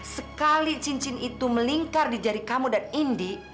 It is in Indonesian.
sekali cincin itu melingkar di jari kamu dan indi